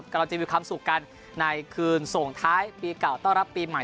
เราจะมีความสุขกันในคืนส่งท้ายปีเก่าต้อนรับปีใหม่